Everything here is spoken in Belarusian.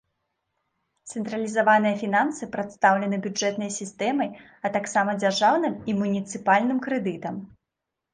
Цэнтралізаваныя фінансы прадстаўлены бюджэтнай сістэмай, а таксама дзяржаўным і муніцыпальным крэдытам.